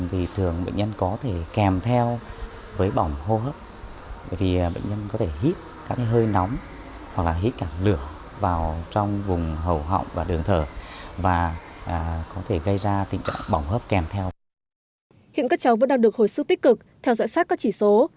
hiện các cháu vẫn đang được hồi sức tích cực theo dõi sát các chỉ số